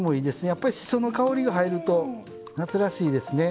やっぱりしその香りが入ると夏らしいですね。